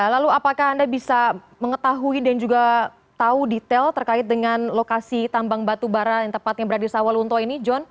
lalu apakah anda bisa mengetahui dan juga tahu detail terkait dengan lokasi tambang batubara yang tepatnya berada di sawalunto ini john